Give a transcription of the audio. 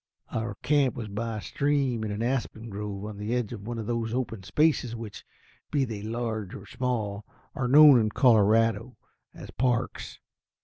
Our camp was by a stream in an aspen grove, on the edge of one of those open spaces which, be they large or small, are known in Colorado as parks.